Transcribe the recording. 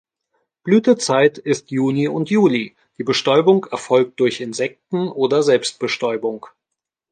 Blütezeit ist Juni und Juli, die Bestäubung erfolgt durch Insekten oder Selbstbestäubung.